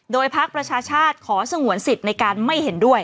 โดยพักประชาชาติขอสงวนสิทธิ์ในการไม่เห็นด้วย